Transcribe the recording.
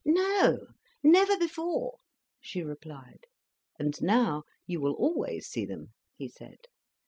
"No, never before," she replied. "And now you will always see them," he said.